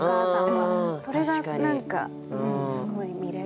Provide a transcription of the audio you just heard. それが何かすごい見える。